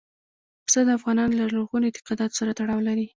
پسه د افغانانو له لرغونو اعتقاداتو سره تړاو لري.